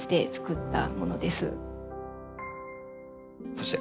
そして。